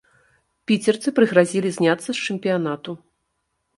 Піцерцы прыгразілі зняцца з чэмпіянату.